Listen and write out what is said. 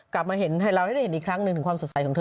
กลับมาเห็นไทยเราได้เห็นอีกครั้งหนึ่งถึงความสดใสของเธอ